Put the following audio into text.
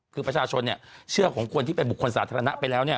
คือประชาชนเนี่ยเชื่อของคนที่เป็นบุคคลสาธารณะไปแล้วเนี่ย